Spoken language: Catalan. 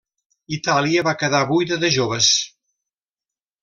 Itàlia va quedar buida de joves.